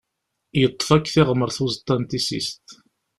Yeṭṭef akk tiɣmert uẓeṭṭa n tissist.